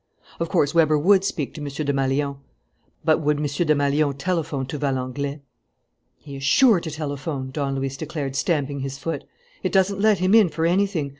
Of course, Weber would speak to M. Desmalions. But would M. Desmalions telephone to Valenglay? "He is sure to telephone," Don Luis declared, stamping his foot. "It doesn't let him in for anything.